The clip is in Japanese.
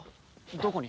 どこに？